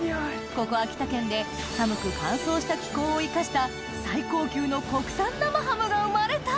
ここ秋田県で寒く乾燥した気候を生かした最高級の国産生ハムが生まれた！